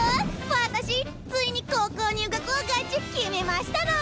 私ついに高校入学をガチ決めましたの！